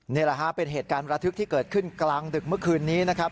นี่แหละฮะเป็นเหตุการณ์ระทึกที่เกิดขึ้นกลางดึกเมื่อคืนนี้นะครับ